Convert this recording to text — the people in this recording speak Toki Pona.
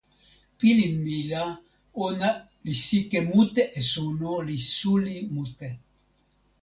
pilin mi la ona li sike mute e suno li suli mute.